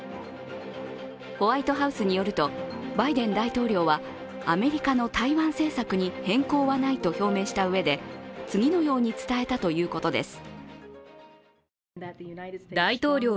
ホワイトハウスによるとバイデン大統領はアメリカの台湾政策に変更はないと表明したうえで次のように伝えたということです。